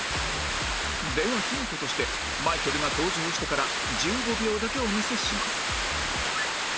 ではヒントとしてマイケルが登場してから１５秒だけお見せします